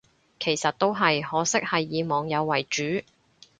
其實都係，可惜係以網友為主